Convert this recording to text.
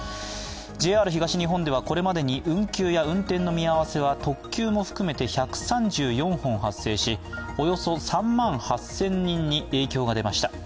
ＪＲ東日本ではこれまでに運休や運転の見合わせは特急も含めて１３４本発生し、およそ３万８０００人に影響が出ました。